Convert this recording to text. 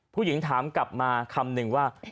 ผู้หญิงถามกลับมาคำนึงว่า